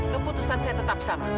keputusan saya tetap sama